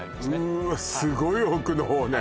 うーわすごい奥の方ね